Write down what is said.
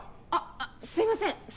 あっすいません。